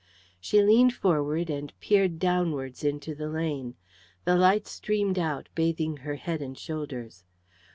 She leaned forward and peered downwards into the lane. The light streamed out, bathing her head and shoulders.